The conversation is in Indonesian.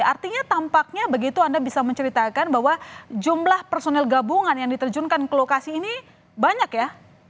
artinya tampaknya begitu anda bisa menceritakan bahwa jumlah personil gabungan yang diterjunkan ke lokasi ini banyak ya